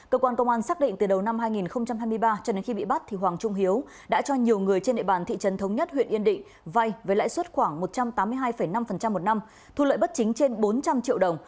cơ quan công an xác định từ đầu năm hai nghìn hai mươi ba cho đến khi bị bắt hoàng trung hiếu đã cho nhiều người trên địa bàn thị trấn thống nhất huyện yên định vay với lãi suất khoảng một trăm tám mươi hai năm một năm thu lợi bất chính trên bốn trăm linh triệu đồng